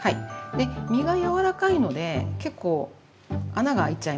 実が柔らかいので結構穴が開いちゃいます。